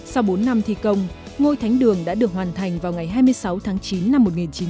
sau bốn năm thi công ngôi thánh đường đã được hoàn thành vào ngày hai mươi sáu tháng chín năm một nghìn chín trăm bảy mươi